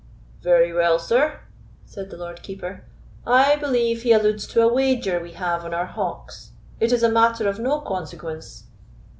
'" "Very well, sir," said the Lord Keeper, "I believe he alludes to a wager we have on our hawks; it is a matter of no consequence."